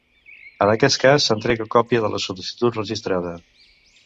En aquest cas s'entrega còpia de la sol·licitud registrada.